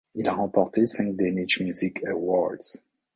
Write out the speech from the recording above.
Il a remporté cinq Danish Music Awards.